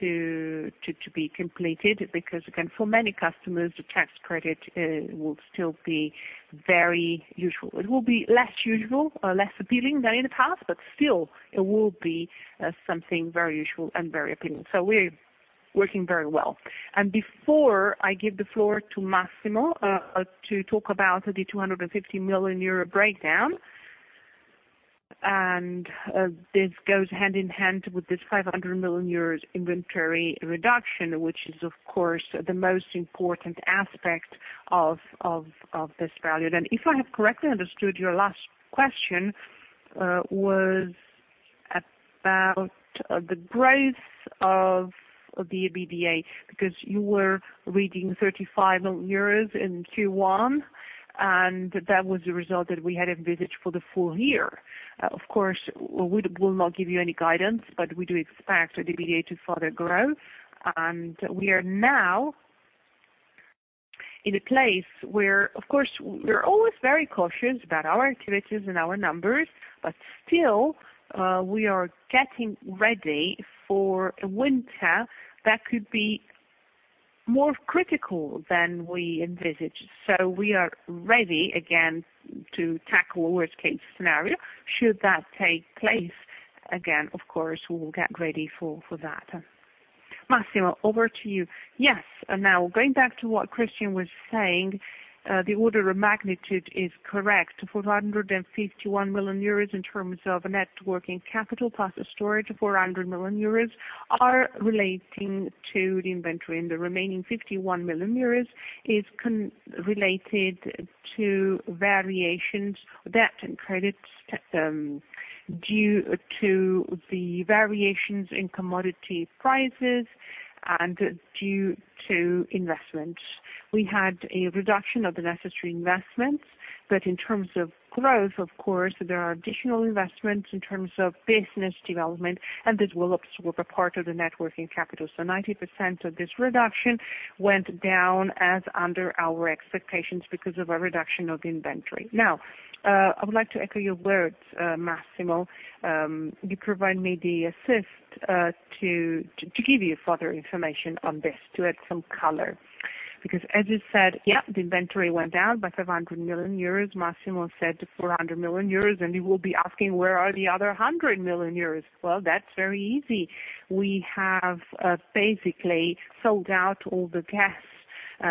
to be completed, because, again, for many customers, the tax credit will still be very usual. It will be less usual or less appealing than in the past, but still it will be something very usual and very appealing. We're working very well. Before I give the floor to Massimo, to talk about the 250 million euro breakdown, and this goes hand in hand with this 500 million euros inventory reduction, which is of course the most important aspect of this value. If I have correctly understood your last question, was about the growth of the EBITDA, because you were reading 35 million euros in Q1, and that was the result that we had envisaged for the full year. Of course, we will not give you any guidance, but we do expect the EBITDA to further grow. We are now in a place where of course, we're always very cautious about our activities and our numbers, but still, we are getting ready for a winter that could be more critical than we envisaged. We are ready again to tackle a worst-case scenario. Should that take place again, of course, we will get ready for that. Massimo, over to you. Yes. Now going back to what Cristian was saying, the order of magnitude is correct. 451 million euros in terms of net working capital plus storage, 400 million euros are relating to the inventory. The remaining 51 million euros is related to variations, debt, and credits, due to the variations in commodity prices and due to investments. We had a reduction of the necessary investments, but in terms of growth, of course, there are additional investments in terms of business development, and this will absorb a part of the net working capital. 90% of this reduction went down as under our expectations because of a reduction of the inventory. I would like to echo your words, Massimo. You provide me the assist to give you further information on this, to add some color, because as you said, yeah, the inventory went down by 500 million euros. Massimo said 400 million euros, you will be asking, where are the other 100 million euros? Well, that's very easy. We have basically sold out all the gas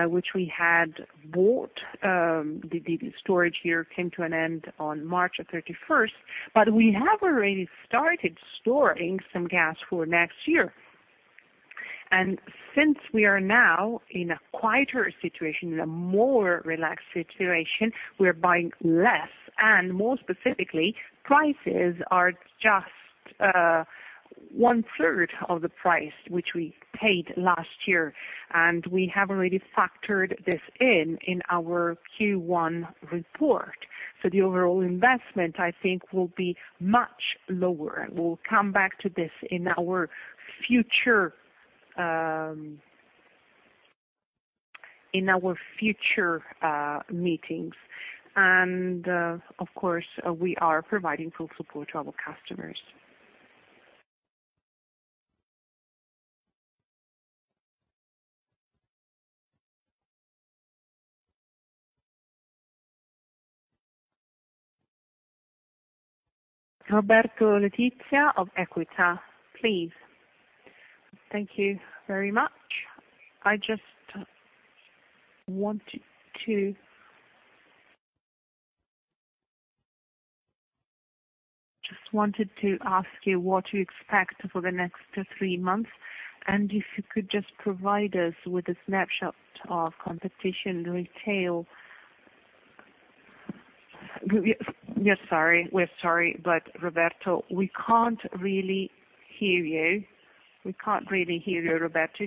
which we had bought. The storage year came to an end on March 31st, we have already started storing some gas for next year. Since we are now in a quieter situation, in a more relaxed situation, we are buying less. More specifically, prices are just one-third of the price which we paid last year. We have already factored this in in our Q1 report. The overall investment, I think, will be much lower. We'll come back to this in our future, in our future meetings. Of course, we are providing full support to our customers. Roberto Letizia of EQUITA, please. Thank you very much. Just wanted to ask you what you expect for the next three months, if you could just provide us with a snapshot of competition retail. We're sorry. We're sorry, Roberto, we can't really hear you. We can't really hear you, Roberto.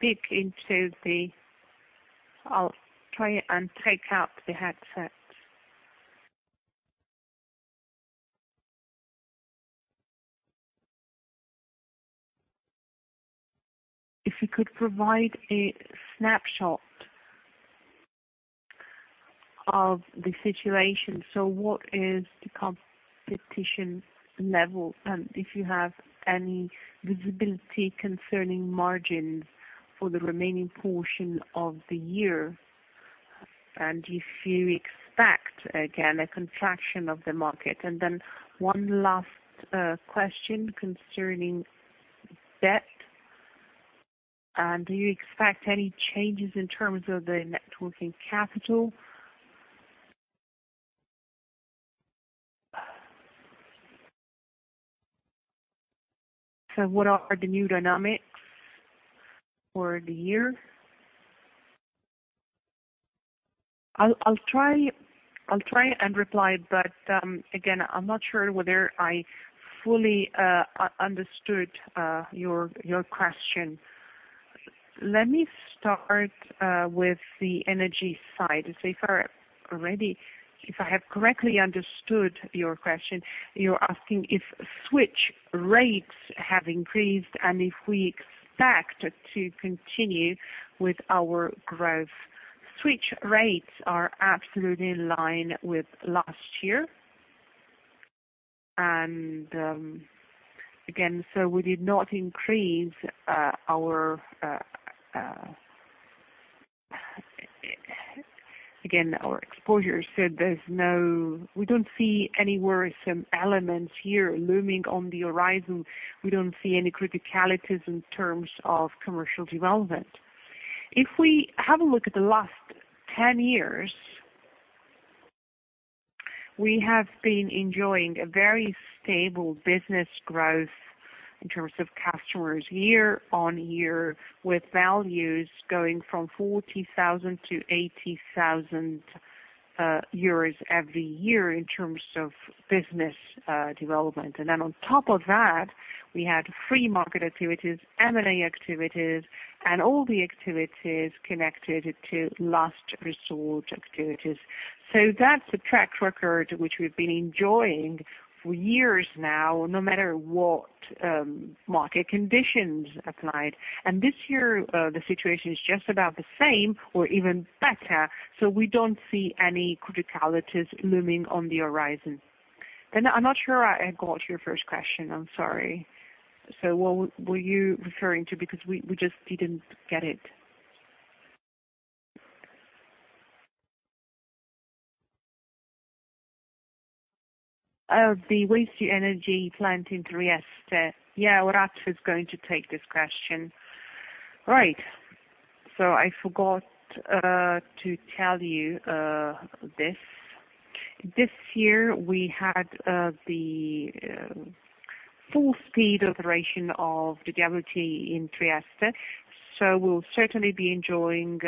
1`I'll try and take out the headset. If you could provide a snapshot of the situation. What is the competition level? If you have any visibility concerning margins for the remaining portion of the year, if you expect, again, a contraction of the market. One last question concerning debt. Do you expect any changes in terms of the net working capital? What are the new dynamics for the year? I'll try and reply, but again, I'm not sure whether I fully understood your question. Let me start with the energy side. If I have correctly understood your question, you're asking if switch rates have increased and if we expect to continue with our growth. Switch rates are absolutely in line with last year. Again, we did not increase our exposure, we don't see any worrisome elements here looming on the horizon. We don't see any criticalities in terms of commercial development. If we have a look at the last 10 years, we have been enjoying a very stable business growth in terms of customers year-on-year, with values going from 40,000-80,000 euros every year in terms of business development. On top of that, we had free market activities, M&A activities, and all the activities connected to last resort activities. That's a track record which we've been enjoying for years now, no matter what market conditions applied. This year, the situation is just about the same or even better, so we don't see any criticalities looming on the horizon. I'm not sure I got your first question. I'm sorry. What were you referring to? Because we just didn't get it. The waste-to-energy plant in Trieste. Yeah, Orazio is going to take this question. Right. I forgot to tell you this. This year, we had the full speed operation of the WTE in Trieste. We'll certainly be enjoying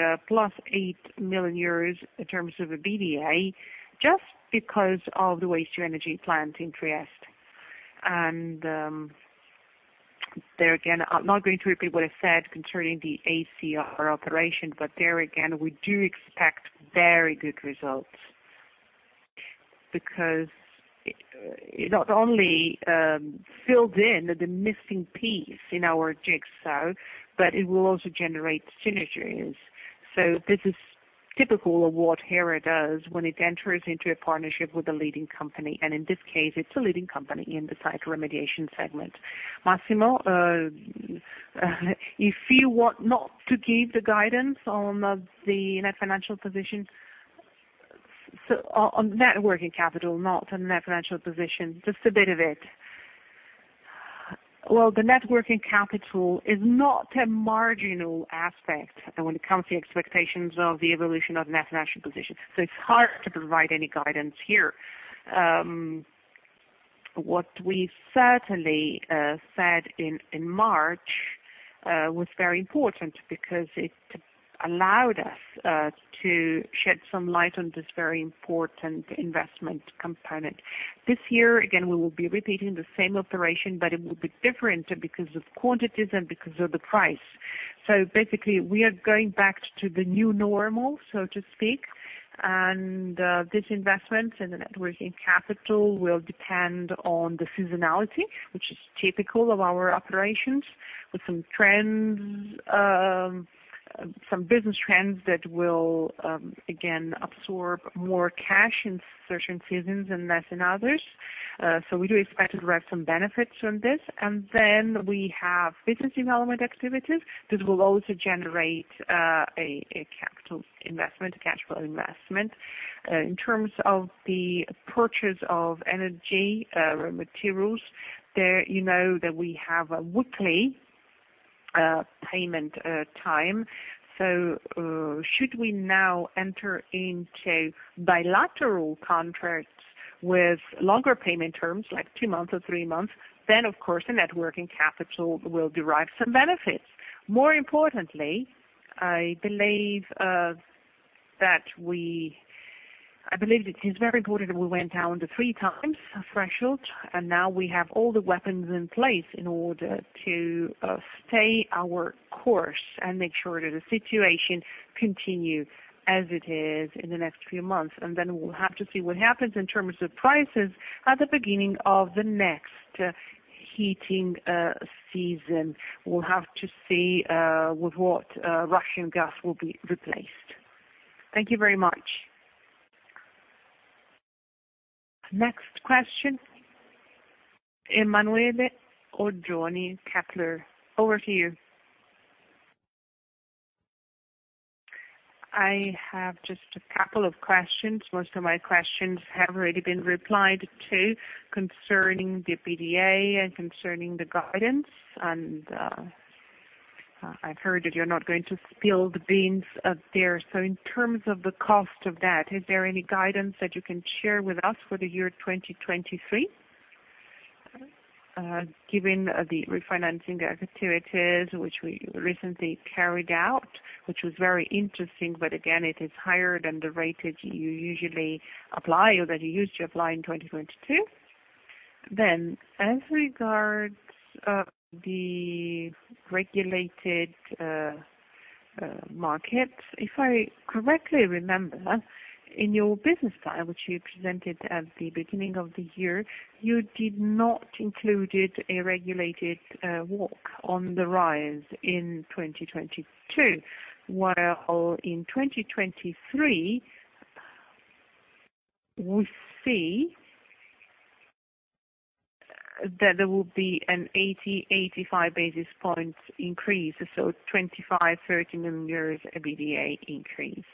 +eight million euros in terms of EBITDA just because of the waste-to-energy plant in Trieste. There again, I'm not going to repeat what I said concerning the ACR operation, but there again, we do expect very good results because it not only fills in the missing piece in our jigsaw, but it will also generate synergies. This is typical of what Hera does when it enters into a partnership with a leading company, and in this case, it's a leading company in the site remediation segment. Massimo, if you want not to give the guidance on the net financial position. On net working capital, not on net financial position, just a bit of it. Well, the net working capital is not a marginal aspect when it comes to expectations of the evolution of net financial position, so it's hard to provide any guidance here. What we certainly said in March was very important because it allowed us to shed some light on this very important investment component. This year, again, we will be repeating the same operation, but it will be different because of quantities and because of the price. Basically, we are going back to the new normal, so to speak. This investment in the networking capital will depend on the seasonality, which is typical of our operations, with some trends, some business trends that will again, absorb more cash in certain seasons and less in others. We do expect to derive some benefits from this. We have business development activities that will also generate a capital investment, a cash flow investment. In terms of the purchase of energy, raw materials, there you know that we have a weekly payment time. Should we now enter into bilateral contracts with longer payment terms, like two months or three months, then of course the net working capital will derive some benefits. More importantly, I believe it is very important that we went down the three times threshold, and now we have all the weapons in place in order to stay our course and make sure that the situation continues as it is in the next few months. We'll have to see what happens in terms of prices at the beginning of the next heating season. We'll have to see with what Russian gas will be replaced. Thank you very much. Next question, Emanuele Oggioni, Kepler, over to you. I have just a couple of questions. Most of my questions have already been replied to concerning the EBITDA and concerning the guidance, I've heard that you're not going to spill the beans out there. In terms of the cost of that, is there any guidance that you can share with us for the year 2023? Given the refinancing activities which we recently carried out, which was very interesting, but again it is higher than the rate that you usually apply or that you used to apply in 2022. As regards the regulated markets, if I correctly remember, in your business plan, which you presented at the beginning of the year, you did not included a regulated walk on the rise in 2022, while in 2023, we see that there will be an 80-85 basis points increase, so 25-30 million euros EBITDA increase.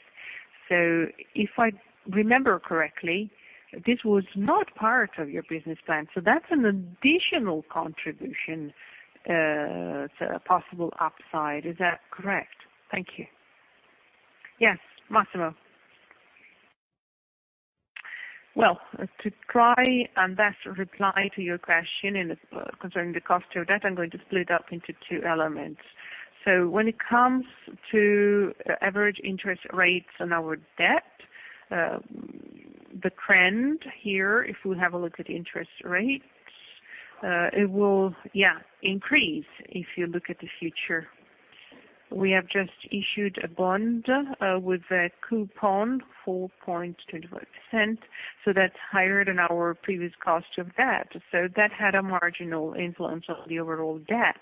If I remember correctly, this was not part of your business plan. That's an additional contribution to a possible upside. Is that correct? Thank you. Yes, Massimo. Well, to try and best reply to your question concerning the cost of debt, I'm going to split up into two elements. When it comes to average interest rates on our debt, the trend here, if we have a look at interest rates, it will increase if you look at the future. We have just issued a bond with a coupon, 4.21%, that's higher than our previous cost of debt. That had a marginal influence on the overall debt,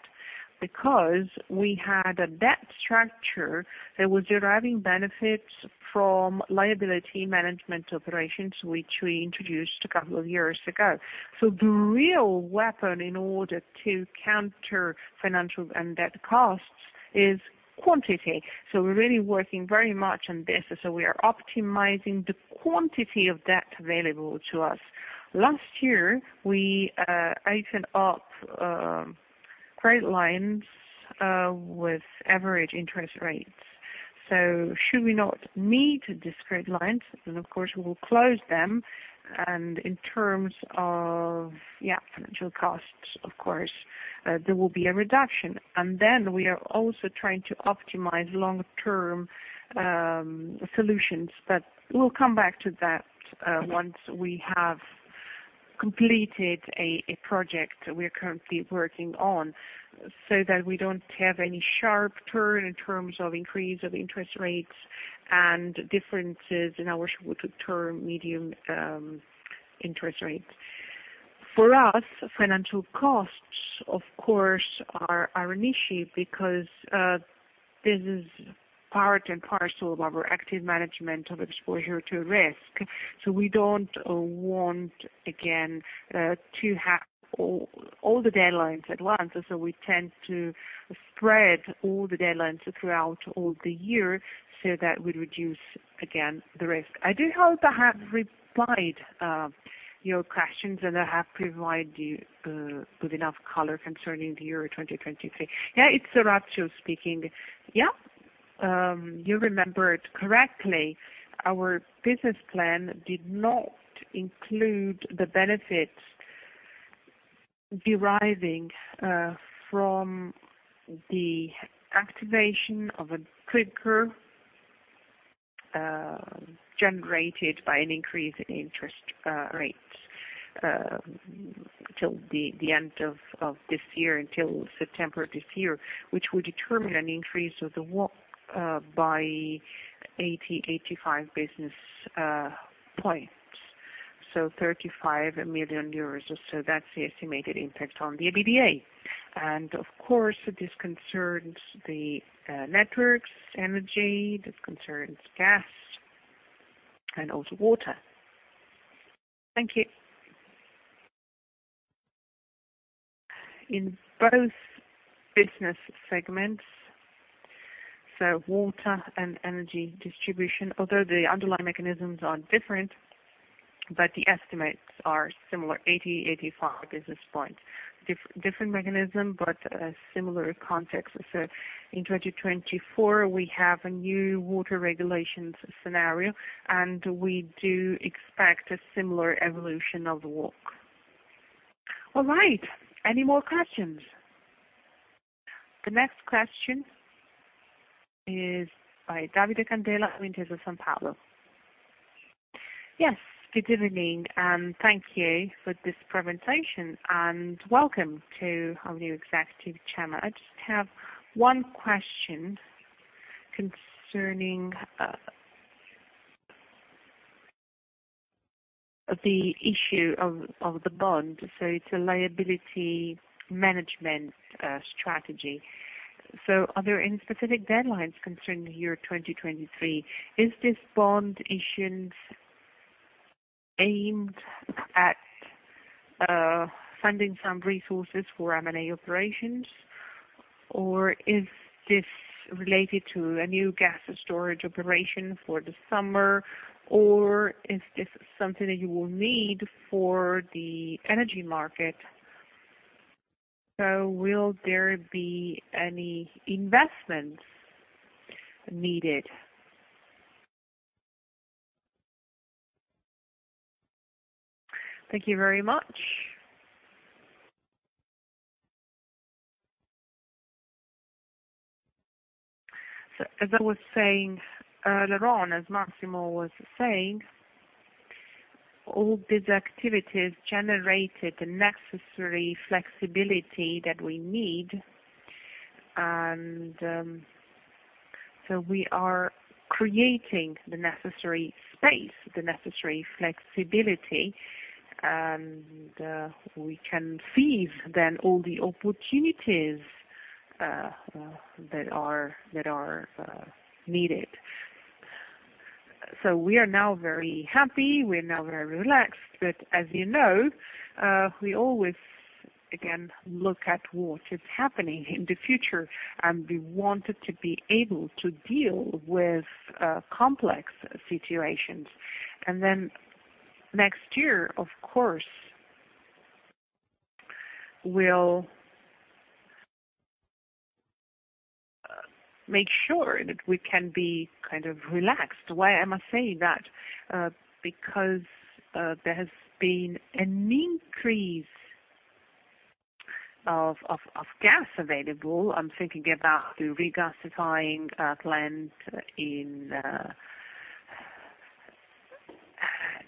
because we had a debt structure that was deriving benefits from liability management operations, which we introduced a couple of years ago. The real weapon in order to counter financial and debt costs is quantity. We're really working very much on this, we are optimizing the quantity of debt available to us. Last year, we opened up credit lines with average interest rates. Should we not meet these credit lines, then of course we will close them, and in terms of, yeah, financial costs, of course, there will be a reduction. Then we are also trying to optimize long-term solutions, but we'll come back to that once we have completed a project we are currently working on, so that we don't have any sharp turn in terms of increase of interest rates and differences in our short-term medium interest rates. For us, financial costs, of course, are an issue because this is part and parcel of our active management of exposure to risk. We don't want again to have all the deadlines at once. So we tend to spread all the deadlines throughout all the year so that we reduce again the risk. I do hope I have replied your questions, and I have provided you with enough color concerning the year 2023. It's Orazio speaking. You remembered correctly. Our business plan did not include the benefits deriving from the activation of a trigger generated by an increase in interest rates till the end of this year, until September this year, which would determine an increase of the WACC by 80-85 basis points. 35 million euros. That's the estimated impact on the EBITDA. Of course, this concerns the networks, energy, this concerns gas, and also water. Thank you. In both business segments, so water and energy distribution, although the underlying mechanisms are different, but the estimates are similar, 80-85 basis points. Different mechanism, but a similar context. In 2024, we have a new water regulations scenario, and we do expect a similar evolution of the work. All right, any more questions? The next question is by Davide Candela, Intesa Sanpaolo. Good evening, and thank you for this presentation, and welcome to our new Executive Chairman. I just have 1 question concerning the issue of the bond. It's a liability management strategy. Are there any specific deadlines concerning the year 2023? Is this bond issuance aimed at funding some resources for M&A operations? Is this related to a new gas storage operation for the summer? Is this something that you will need for the energy market? Will there be any investments needed? Thank you very much. As I was saying earlier on, as Massimo Vai was saying, all these activities generated the necessary flexibility that we need. We are creating the necessary space, the necessary flexibility, and we can seize then all the opportunities that are needed. We are now very happy. We are now very relaxed. As you know, we always, again, look at what is happening in the future, and we wanted to be able to deal with complex situations. Next year, of course, we'll make sure that we can be kind of relaxed. Why am I saying that? Because there has been an increase of gas available. I'm thinking about the regasifying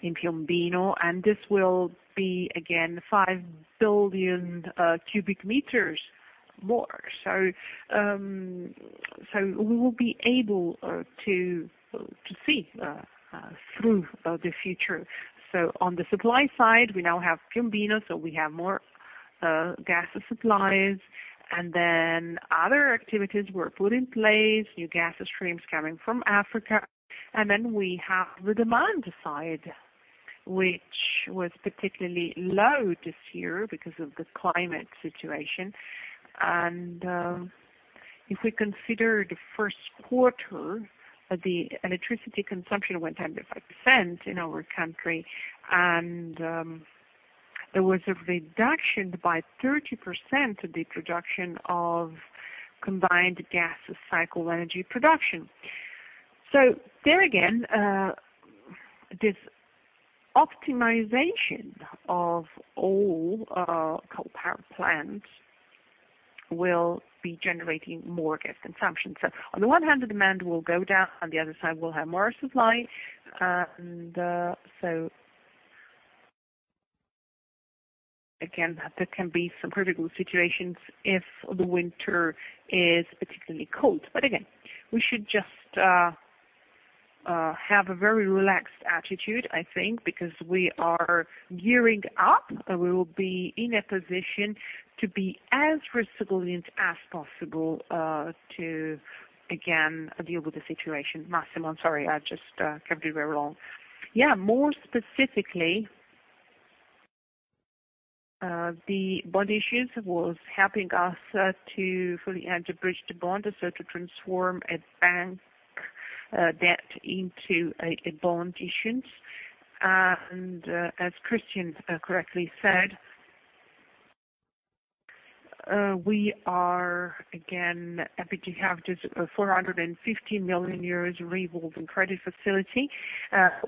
plant in Piombino, and this will be again five billion cubic meters more. We will be able to see through the future. On the supply side, we now have Piombino, so we have more gas supplies, and then other activities were put in place, new gas streams coming from Africa. Then we have the demand side, which was particularly low this year because of the climate situation. If we consider the first quarter, the electricity consumption went down to 5% in our country, and there was a reduction by 30% of the production of combined gas cycle energy production. There again, this optimization of all our co-power plants will be generating more gas consumption. On the one hand, the demand will go down, on the other side, we'll have more supply. That there can be some critical situations if the winter is particularly cold. We should just have a very relaxed attitude, I think, because we are gearing up, and we will be in a position to be as resilient as possible to again deal with the situation. Massimo, I'm sorry. I just kept you very long. Yeah. More specifically. The bond issuance was helping us to fully underbridge the bond, so to transform a bank debt into a bond issuance. As Cristian correctly said. Eni has EUR 450 million revolving credit facility,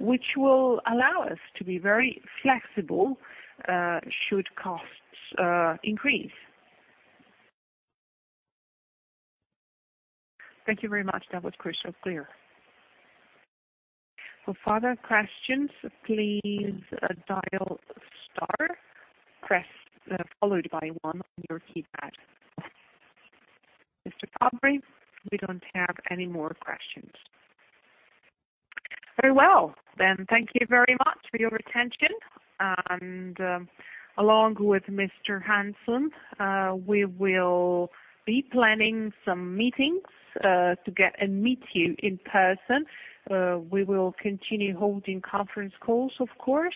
which will allow us to be very flexible should costs increase. Thank you very much. That was crystal clear. For further questions, please dial star, press, followed by one on your keypad. Mr. Fabbri, we don't have any more questions. Very well. Thank you very much for your attention. Along with Mr. Hansen, we will be planning some meetings to get and meet you in person. We will continue holding conference calls, of course,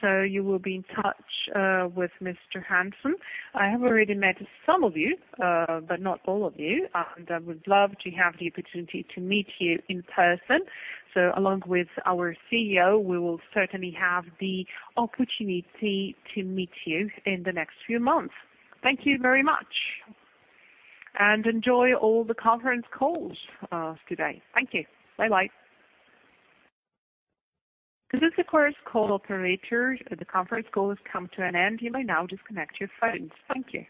so you will be in touch with Mr. Hansen. I have already met some of you, but not all of you, and I would love to have the opportunity to meet you in person. Along with our CEO, we will certainly have the opportunity to meet you in the next few months. Thank you very much. Enjoy all the conference calls today. Thank you. Bye-bye. This is the conference call operator. The conference call has come to an end. You may now disconnect your phones. Thank you.